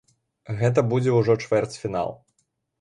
Гэта будзе ўжо чвэрцьфінал.